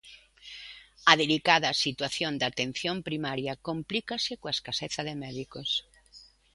A delicada situación da atención primaria complícase coa escaseza de médicos.